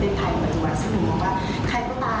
แล้วก็ทุกคนสามารถเข้าใจได้เขาก็เป็นแบบอย่างดีดี